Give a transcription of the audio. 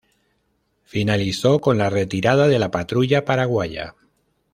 Finalizó con la retirada de la patrulla paraguaya.